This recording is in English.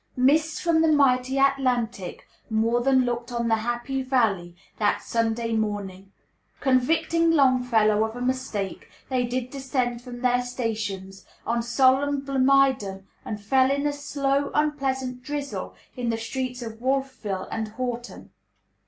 "Mists from the mighty Atlantic" more than "looked on the happy valley" that Sunday morning. Convicting Longfellow of a mistake, they did descend "from their stations," on solemn Blomidon, and fell in a slow, unpleasant drizzle in the streets of Wolfville and Horton.